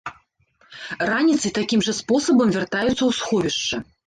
Раніцай такім жа спосабам вяртаюцца ў сховішча.